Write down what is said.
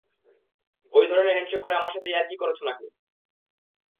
ওই ধরণের হ্যান্ডশেক করে আমার সাথে ইয়ার্কি করছ নাকি?